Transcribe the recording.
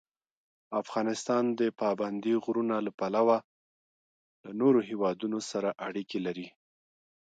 افغانستان د پابندی غرونه له پلوه له نورو هېوادونو سره اړیکې لري.